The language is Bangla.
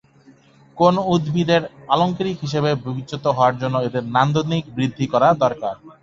কোনো উদ্ভিদের আলংকারিক হিসাবে বিবেচিত হওয়ার জন্য এদের নান্দনিক বৃদ্ধি করা দরকার।